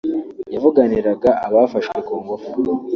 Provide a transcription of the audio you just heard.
yavuganiraga abafashwe ku ngufu